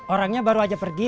orangnya baru aja pergi